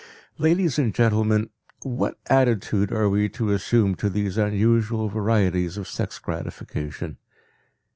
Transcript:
Ladies and gentlemen, what attitude are we to assume to these unusual varieties of sex gratification?